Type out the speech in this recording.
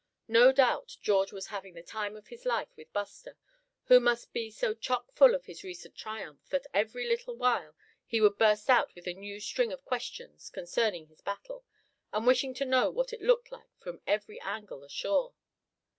No doubt George was having the time of his life with Buster, who must be so chock full of his recent triumph that every little while he would burst out with a new string of questions concerning his battle, and wishing to know what it looked like from every angle ashore.